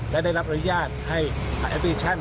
และได้รับอนุญาตให้ทางแอฟตีชัน